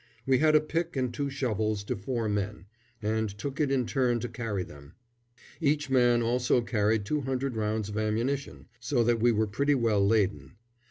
We had a pick and two shovels to four men, and took it in turn to carry them. Each man also carried two hundred rounds of ammunition, so that we were pretty well laden.